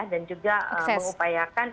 dan juga mengupayakan